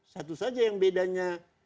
satu saja yang bedanya